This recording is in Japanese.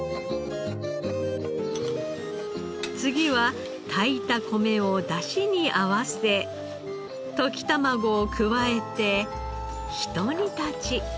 次は炊いた米を出汁に合わせ溶き卵を加えてひと煮立ち。